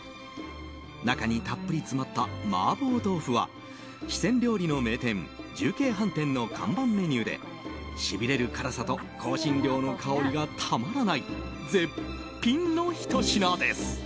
中にたっぷり詰まった麻婆豆腐は四川料理の名店重慶飯店の看板メニューでしびれる辛さと香辛料の香りがたまらない絶品のひと品です。